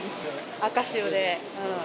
赤潮で。